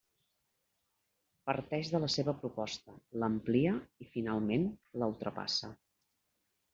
Parteix de la seva proposta, l'amplia i finalment la ultrapassa.